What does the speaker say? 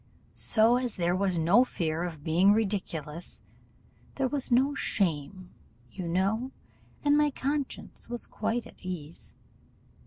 So as there was no fear of being ridiculous, there was no shame, you know, and my conscience was quite at ease.